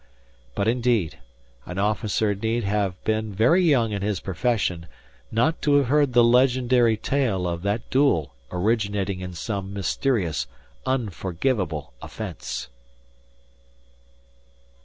But, indeed, an officer need have been very young in his profession not to have heard the legendary tale of that duel originating in some mysterious, unforgivable offence.